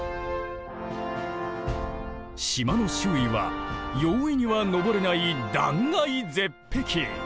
島の周囲は容易には登れない断崖絶壁！